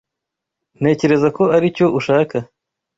Ntekereza ko aricyo ushaka.